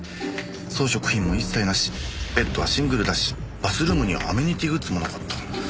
装飾品も一切なしベッドはシングルだしバスルームにはアメニティーグッズもなかった。